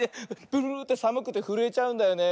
ブルブルってさむくてふるえちゃうんだよね。